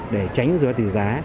để tránh rối tỷ giá